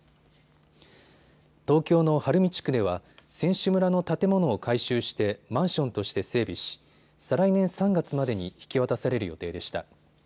東京の晴海地区では選手村の建物を改修してマンションとして整備し再来年３月までに引き渡される予定でした。